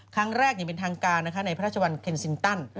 ครั้งแรกอย่างเป็นทางการนะคะในพระราชวรรค์เคนซินตัน